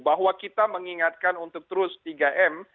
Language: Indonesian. bahwa kita mengingatkan untuk terus tiga m